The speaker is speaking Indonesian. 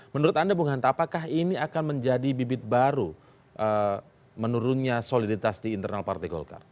menurut anda bung hanta apakah ini akan menjadi bibit baru menurunnya soliditas di internal partai golkar